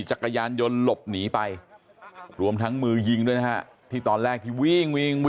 จักรยานยนต์หลบหนีไปรวมทั้งมือยิงด้วยนะฮะที่ตอนแรกที่วิ่งวิ่ง